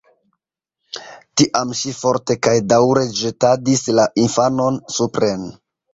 Tiam ŝi forte kaj daŭre ĵetadis la infanon supren.